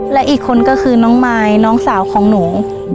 และอีกคนก็คือน้องมายน้องสาวของหนู